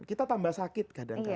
kita tambah sakit kadang kadang